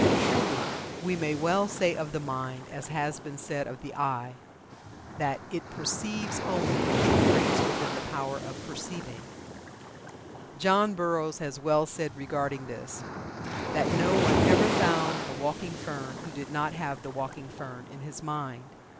Truly, we may well say of the mind, as has been said of the eye, that 'it perceives only what it brings within the power of perceiving.'" John Burroughs has well said regarding this that "No one ever found the walking fern who did not have the walking fern in his mind.